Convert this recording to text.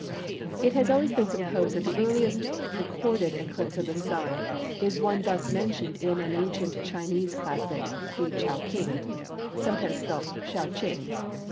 It has always been supposed that the earliest recorded eclipse of the Sun is one thus mentioned in an ancient Chinese classic—the Chou King (sometimes spelt Shou Ching).